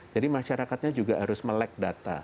jadi masyarakatnya juga harus melek data